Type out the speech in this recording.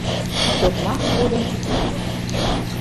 Токмак кодын шукерте.